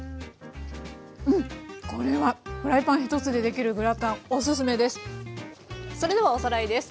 うんこれはフライパン一つでできるグラタンおすすめです。